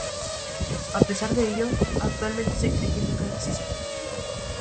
A pesar de ello, actualmente se cree que nunca existió.